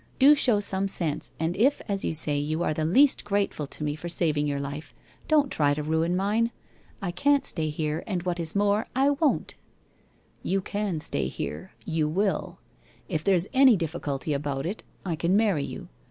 Do show some sense, and if. as you say, you are the least grateful to me for saving your lif<\ don't try to ruin mine. I can't stay here, and what is more, I won't/ ' You can stay. You will. If there's any difficulty about it, I can marry you.